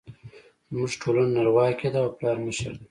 زموږ ټولنه نرواکې ده او پلار مشر دی